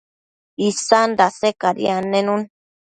isan dase cadi annenun